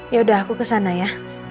yaudah aku kesana ya